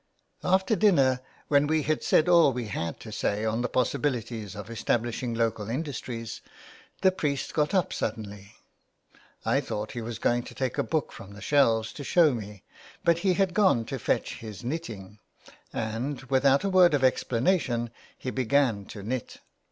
After dinner, when we had said all we had to say on the possibilities of establish ing local industries, the priest got up suddenly — I thought he was going to take a book from the shelves to show me, but he had gone to fetch his knitting, and, without a word of explanation, he began to knit.